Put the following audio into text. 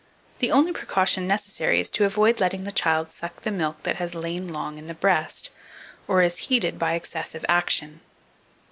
The only precaution necessary is to avoid letting the child suck the milk that has lain long in the breast, or is heated by excessive action.